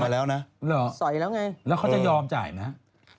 แล้วเขาจะยอมจ่ายไหม